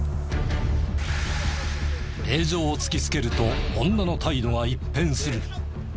令状を突きつけると女の態度が一変する。